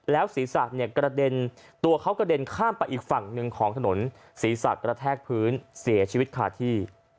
แล้วศรีศักดิ์กระเด็นตัวเขากระเด็นข้ามไปอีกฝั่งหนึ่งของถนนศรีศักดิ์กระแทกพื้นเสียชีวิตค่าที่